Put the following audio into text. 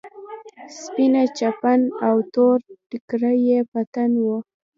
سپينه چپن او تور ټيکری يې په تن و.